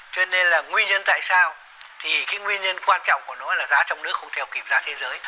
cho nên là nguyên nhân tại sao thì cái nguyên nhân quan trọng của nó là giá trong nước không theo kịp giá thế giới